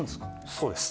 そうです。